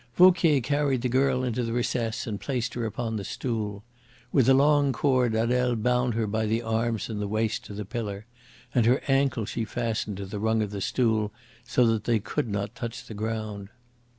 Vauquier carried the girl into the recess and placed her upon the stool. With a long cord Adele bound her by the arms and the waist to the pillar, and her ankles she fastened to the rung of the stool, so that they could not touch the ground.